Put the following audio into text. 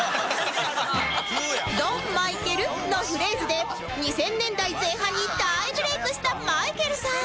「どんマイケル」のフレーズで２０００年代前半に大ブレイクしたまいけるさん